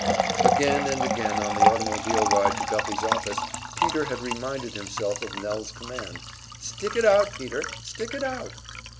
Again and again on the automobile ride to Guffey's office Peter had reminded himself of Nell's command, "Stick it out, Peter! Stick it out!"